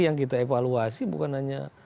yang kita evaluasi bukan hanya